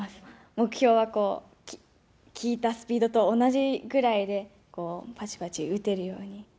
目標は、聞いたスピードと同じくらいで、こうぱちぱち打てるように。